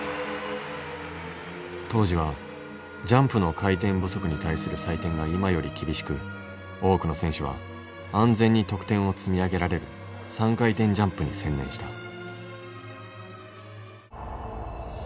当時はジャンプの回転不足に対する採点が今より厳しく多くの選手は安全に得点を積み上げられる３回転ジャンプに専念した。